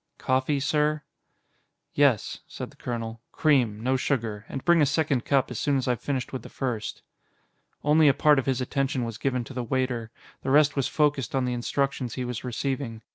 "Coffee, sir?" "Yes," said the colonel. "Cream, no sugar. And bring a second cup as soon as I've finished with the first." Only a part of his attention was given to the waiter; the rest was focused on the instructions he was receiving.